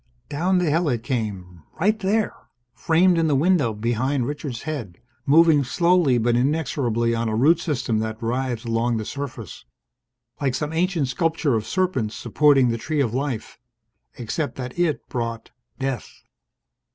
Down the hill it came right there! framed in the window behind Richard's head, moving slowly but inexorably on a root system that writhed along the surface. Like some ancient sculpture of Serpents Supporting the Tree of Life. Except that it brought death